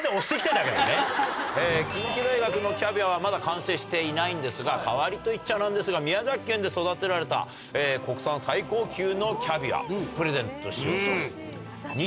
近畿大学のキャビアはまだ完成していないんですが代わりといっちゃ何ですが宮崎県で育てられた国産最高級のキャビアプレゼント。